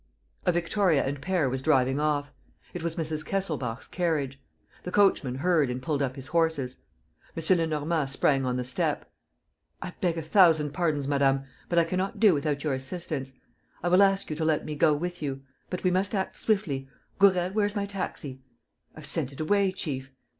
A victoria and pair was driving off. It was Mrs. Kesselbach's carriage. The coachman heard and pulled up his horses. M. Lenormand sprang on the step: "I beg a thousand pardons, madame, but I cannot do without your assistance. I will ask you to let me go with you. ... But we must act swiftly. ... Gourel, where's my taxi?" "I've sent it away, chief."